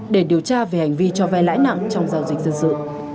để điều tra về hành vi cho vai lãi nặng trong giao dịch dân sự